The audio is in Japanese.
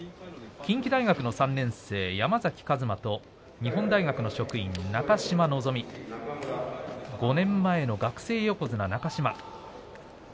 近畿大学の３年生、山崎勝磨と日本大学の職員、中島望５年前の学生横綱、中島。